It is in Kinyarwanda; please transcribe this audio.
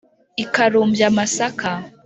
Ikarumby amasaká